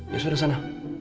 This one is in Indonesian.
ya sudah sana